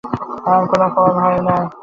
আর কোনো ফল হয় নাই।